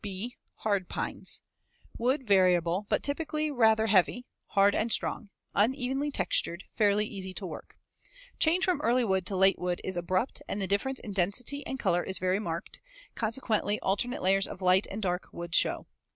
(b) Hard Pines. Wood variable but typically rather heavy, hard and strong, uneven textured, fairly easy to work. Change from early wood to late wood is abrupt and the difference in density and color is very marked, consequently alternate layers of light and dark wood show.